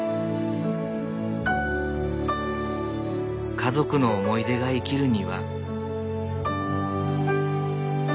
家族の思い出が生きる庭。